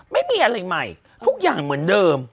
ไม่มีอะไรใหม่ทุกอย่างเหมือนเดิม